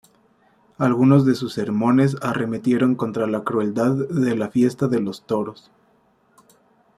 Algunos de sus sermones arremetieron contra la crueldad de la fiesta de los toros.